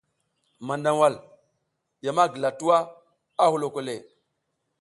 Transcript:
Mandawal ya ma gila tuwa, a huloko le.